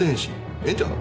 ええんちゃう。